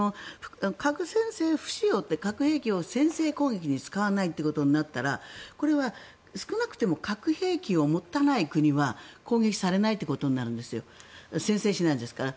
核先制不使用って核兵器を先制攻撃に使わないってことになったらこれは少なくとも核兵器を持たない国は攻撃されないということになるんです先制しないんですから。